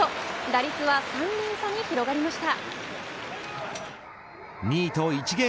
打率は３厘差に広がりました。